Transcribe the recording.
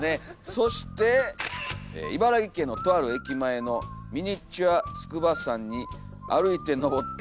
そして「茨城県のとある駅前のミニチュア筑波山に歩いて登ってるキョエちゃんです」という。